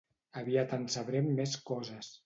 Aviat en sabrem més coses.